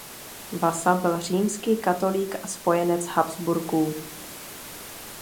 Vasa byl římský katolík a spojenec Habsburků.